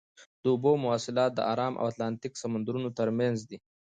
د اوبو مواصلات د ارام او اتلانتیک سمندرونو ترمنځ دي.